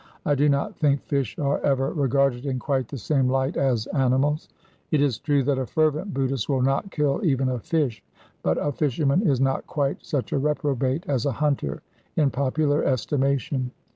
I do not think fish are ever regarded in quite the same light as animals. It is true that a fervent Buddhist will not kill even a fish, but a fisherman is not quite such a reprobate as a hunter in popular estimation.